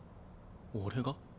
俺が？